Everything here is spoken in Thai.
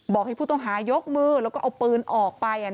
บอกให้ผู้ต้องหายกมือแล้วก็เอาปืนออกไป